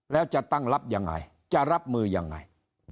แล้วจะตั้งรับยังไงจะรับมือยังไง